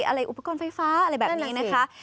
อะไรอุปกรณ์ไฟฟ้าอะไรแบบนี้นะคะ